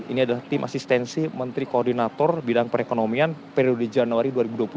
ini adalah tim asistensi menteri koordinator bidang perekonomian periode januari dua ribu dua puluh tiga